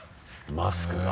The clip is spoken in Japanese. マスクが？